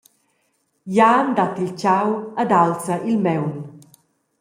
Jan dat il tgau ed aulza il maun.